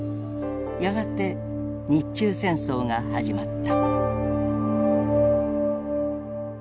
やがて日中戦争が始まった。